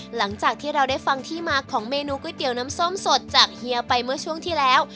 หลังจากที่เราได้ฟังที่มาของเมนูก๋วยเตี๋ยวน้ำส้มสดจากเฮียไปเมื่อช่วงที่แล้ว